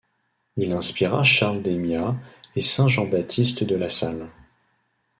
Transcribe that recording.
Il inspirera Charles Démia, et saint Jean-Baptiste de La Salle.